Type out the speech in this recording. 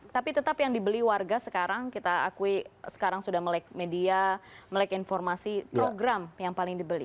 tapi tetap yang dibeli warga sekarang kita akui sekarang sudah melek media melek informasi program yang paling dibeli